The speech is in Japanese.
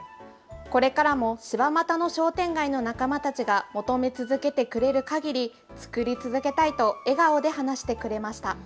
これからも柴又の商店街の仲間たちが求め続けてくれるかぎり、作り続けたいと笑顔で話してくれました。